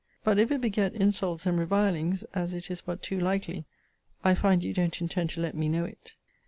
But if it beget insults and revilings, as it is but too likely, I find you don't intend to let me know it.